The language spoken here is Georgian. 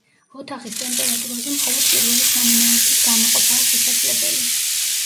ოთახის ტემპერატურაზე მხოლოდ პირველი სამი ნაერთის გამოყოფაა შესაძლებელი.